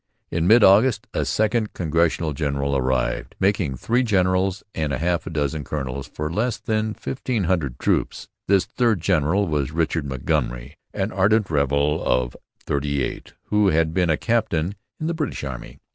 In mid August a second Congressional general arrived, making three generals and half a dozen colonels for less than fifteen hundred troops. This third general was Richard Montgomery, an ardent rebel of thirty eight, who had been a captain in the British Army.